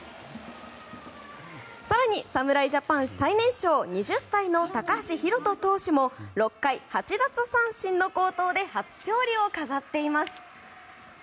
更に、侍ジャパン最年少２０歳の高橋宏斗投手も６回８奪三振の好投で初勝利を飾っています。